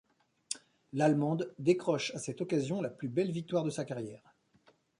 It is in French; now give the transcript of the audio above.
L'Allemande décroche à cette occasion la plus belle victoire de sa carrière.